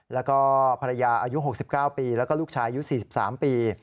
แล้วก็ภรรยาอายุ๖๙ปีแล้วก็ลูกชายอายุ๔๓ปี